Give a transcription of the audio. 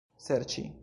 serĉi